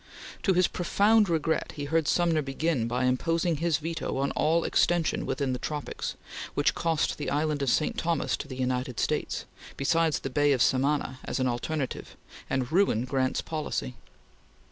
To his profound regret he heard Sumner begin by imposing his veto on all extension within the tropics; which cost the island of St. Thomas to the United States, besides the Bay of Samana as an alternative, and ruined Grant's policy.